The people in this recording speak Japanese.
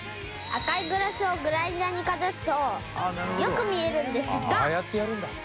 赤いグラスをグラインダーにかざすとよく見えるんですが。